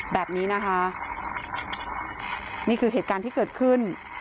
แบบนี้นะคะนี่คือเหตุการณ์ที่เกิดขึ้น